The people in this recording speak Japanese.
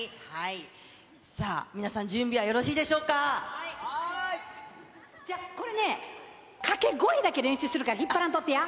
さあ、皆さん準備はよろしいこれね、掛け声だけ練習するから、引っ張らんとってや。